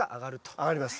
上がります。